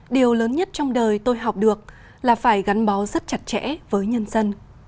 điều lớn nhất trong đời tôi học được là phải gắn bó rất chặt chẽ với nhân dân